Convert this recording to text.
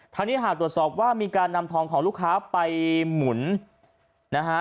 นี้หากตรวจสอบว่ามีการนำทองของลูกค้าไปหมุนนะฮะ